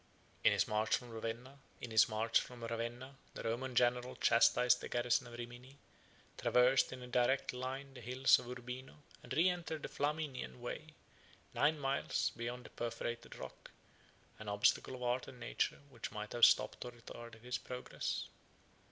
In his march from Ravenna, the Roman general chastised the garrison of Rimini, traversed in a direct line the hills of Urbino, and reentered the Flaminian way, nine miles beyond the perforated rock, an obstacle of art and nature which might have stopped or retarded his progress.